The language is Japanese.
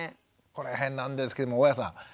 この辺なんですけれども大矢さん。